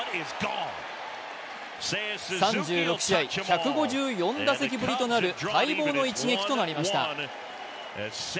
３６試合１５４打席ぶりとなる待望の一撃となりました。